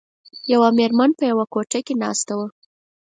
یوه میرمن په یوه کوټه کې ناسته وه.